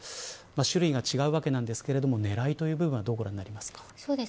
種類が違うわけなんですけれど狙いという部分はどうご覧になりますか。